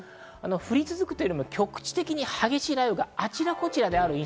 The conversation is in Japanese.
降り続くというよりも局地的な激しい雷雨があちこちである。